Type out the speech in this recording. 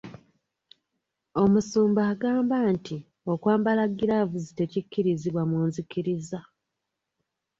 Omusumba agamba nti okwambala giraavuzi tekikkirizibwa mu nzikiriza.